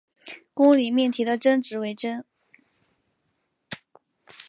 公理命题的真值为真。